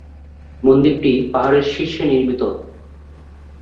মন্দিরটি পাহাড়ের শীর্ষে নির্মিত।